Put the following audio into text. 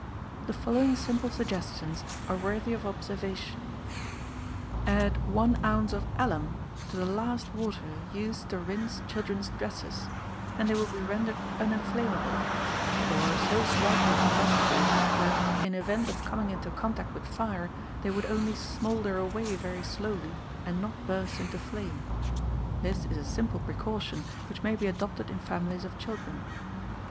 The following simple suggestions are worthy of observation: Add one ounce of alum to the last water used to rinse children's dresses, and they will be rendered uninflammable, or so slightly combustible that in event of coming into contact with fire, they would only smoulder away very slowly, and not burst into flame. This is a simple precaution, which may be adopted in families of children.